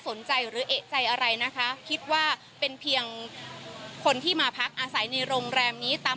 หรือเอกใจอะไรนะคะคิดว่าเป็นเพียงคนที่มาพักอาศัยในโรงแรมนี้ตาม